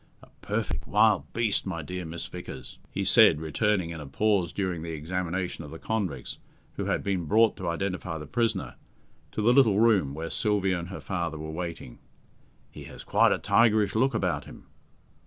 "A perfect wild beast, my dear Miss Vickers," he said, returning, in a pause during the examination of the convicts who had been brought to identify the prisoner, to the little room where Sylvia and her father were waiting. "He has quite a tigerish look about him."